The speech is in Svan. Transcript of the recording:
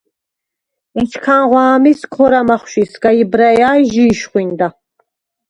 ეჩქანღვ’ ა̄მის ქორა̈ მახვში სგა იბრაჲა ი ჟი იშხვინდა.